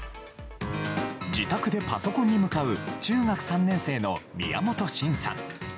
自宅でパソコンに向かう中学３年生の宮本信さん。